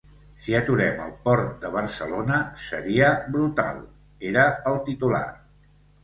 Si aturem el port de Barcelona, seria brutal, era el titular.